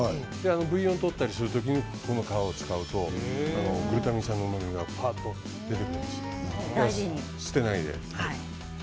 ブイヨンをとったりする時にこの皮を使うとグルタミン酸のうまみがぱーっと出るので、捨てないで。